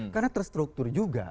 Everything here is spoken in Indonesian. karena terstruktur juga